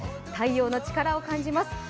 太陽の力を感じます。